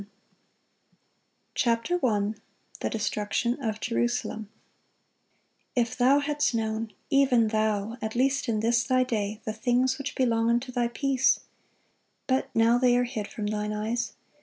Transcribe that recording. [Illustration: The Destruction Of Jerusalem] "If thou hadst known, even thou, at least in this thy day, the things which belong unto thy peace! but now they are hid from thine eyes.